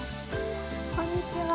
こんにちは。